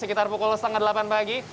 sekitar pukul setengah delapan pagi